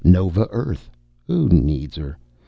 Nova Earth! Who needs her?